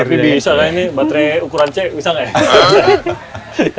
tapi di sana ini baterai ukuran c bisa nggak ya